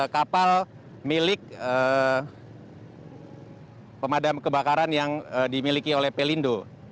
kapal milik pemadam kebakaran yang dimiliki oleh pelindo